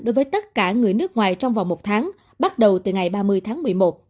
đối với tất cả người nước ngoài trong vòng một tháng bắt đầu từ ngày ba mươi tháng một mươi một